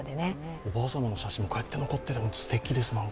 おばあさまの写真もこうやって残っていて、すてきです。